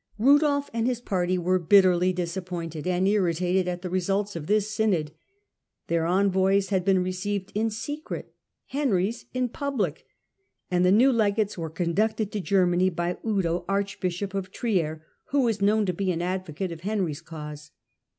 Rudolf and his party were bitterly disappointed and irritated at the results of this synod. Their envoys had been received in secret ; Henry's in public ; and the new legates were conducted to Germany by Udo, archbishop of Trier, who was known to be an advocate of Henry's cause.